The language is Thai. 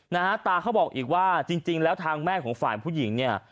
ตาเขาบอกอีกว่าจริงแล้วทางแม่ของฝ่ายผู้หญิงเนี่ย